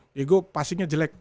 diego passingnya jelek